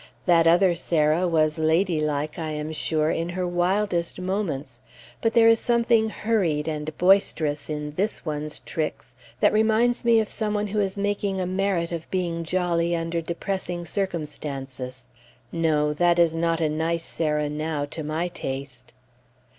That other Sarah was ladylike, I am sure, in her wildest moments, but there is something hurried and boisterous in this one's tricks that reminds me of some one who is making a merit of being jolly under depressing circumstances. No! that is not a nice Sarah now, to my taste.